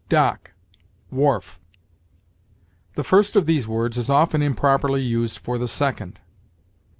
DOCK WHARF. The first of these words is often improperly used for the second.